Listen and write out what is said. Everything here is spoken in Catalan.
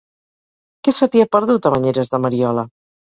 Què se t'hi ha perdut, a Banyeres de Mariola?